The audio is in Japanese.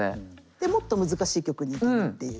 でもっと難しい曲にいくっていう。